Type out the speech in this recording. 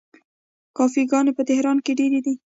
کافې ګانې په تهران کې ډیرې دي.